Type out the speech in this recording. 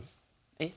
えっ？